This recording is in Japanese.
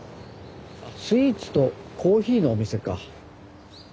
スイーツとコーヒーのお店か。